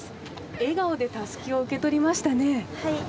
笑顔でたすきを受け取りましたね。